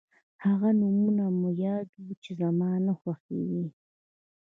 هغه نومونه مه یادوه چې زما نه خوښېږي.